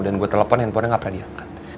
dan gue teleponnya handphonenya gak pernah diangkat